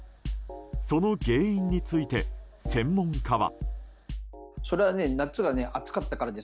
その原因について専門家は。